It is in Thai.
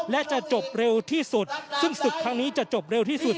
และจะจบเร็วที่สุดซึ่งศึกครั้งนี้จะจบเร็วที่สุด